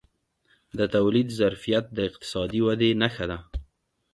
د تولید ظرفیت د اقتصادي ودې نښه ده.